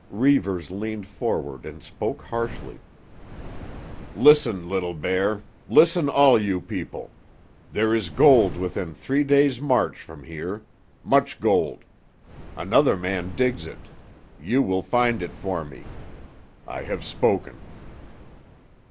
Reivers leaned forward and spoke harshly. "Listen, Little Bear; listen all you people. There is gold within three days' march from here. Much gold. Another man digs it. You will find it for me. I have spoken."